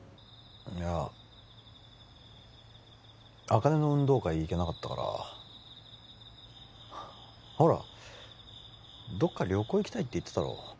いや茜の運動会行けなかったからほらどっか旅行行きたいって言ってたろ？